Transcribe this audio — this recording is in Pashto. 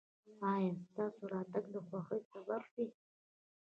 ایا ستاسو راتګ د خوښۍ سبب دی؟